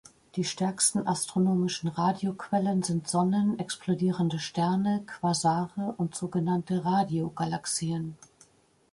Die stärksten astronomischen Radioquellen sind Sonnen, explodierende Sterne, Quasare und sogenannte Radiogalaxien.